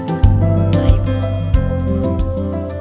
udah pak bos